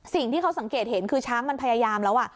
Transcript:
สิ่งที่เขาสังเกตเห็นคือช้างมันพยายามแล้ว